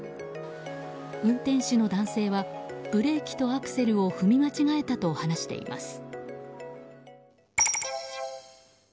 運転手の男性はブレーキとアクセルを踏み間違えたと話しています。